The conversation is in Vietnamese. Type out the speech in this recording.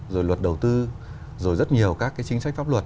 rồi luật đầu tư rồi rất nhiều các cái chính sách pháp luật